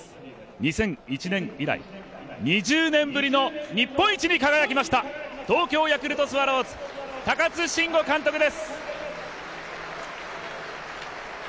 ２００１年以来、２０年ぶりの日本一に輝きました、東京ヤクルトスワローズ、高津臣吾監督です。